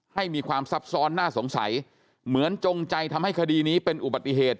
ให้มีความซับซ้อนน่าสงสัยเหมือนจงใจทำให้คดีนี้เป็นอุบัติเหตุ